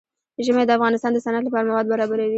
ژمی د افغانستان د صنعت لپاره مواد برابروي.